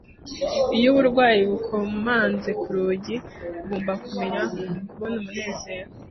Iyo uburwayi bukomanze ku rugi, ugomba kumenya kubona umunezero